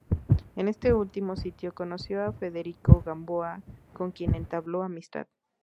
En este último sitio conoció a Federico Gamboa con quien entabló amistad.